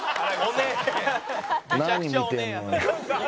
何見てんのよ。